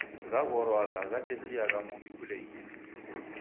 Ghaghorwagha ghatesiagha muw'I kuleghia.